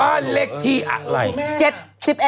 บ้านเลขที่อะไร๗๑